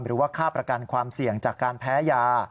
หรือว่าค่าประกันความเสี่ยงจากการแพ้ยา